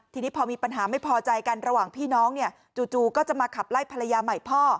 ทีนี้พอมีปัญหาไม่พอใจกันระหว่างพี่น้องเนี่ยจู่ก็จะมาขับไล่ภรรยาใหม่พ่อ